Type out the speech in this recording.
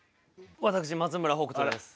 私松村北斗です。